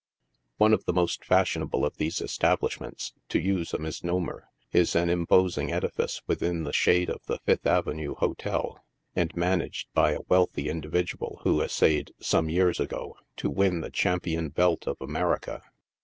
One of the most fashionable of these establishments, to use a mis nomer, is an imposing edifice within the shade of the Fifth avenue Hotel, and managed by a wealthy individual who essayed some years ago, to win the Champion Belt of America.